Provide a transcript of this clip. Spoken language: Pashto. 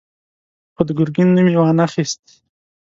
خو د ګرګين نوم يې وانه خيست.